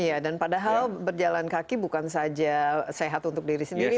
iya dan padahal berjalan kaki bukan saja sehat untuk diri sendiri